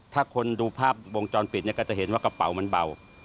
ถ้าคนดูภาพวงจรปิดเนี่ยก็จะเห็นว่ากระเป๋ามันเบา